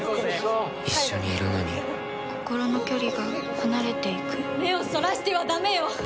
一緒にいるのに心の距離が離れていく目をそらしてはダメよ。